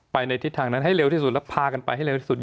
ในทิศทางนั้นให้เร็วที่สุดแล้วพากันไปให้เร็วที่สุด